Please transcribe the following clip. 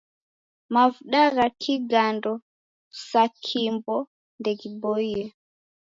Mavuda gha kigando sa Kimbo ndeghiboie.